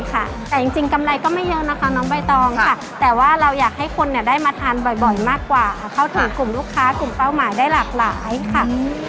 แต่จริงกำไรก็ไม่เยอะนะคะน้องใบตองค่ะแต่ว่าเราอยากให้คนเนี่ยได้มาทานบ่อยมากกว่าเข้าถึงกลุ่มลูกค้ากลุ่มเป้าหมายได้หลากหลายค่ะ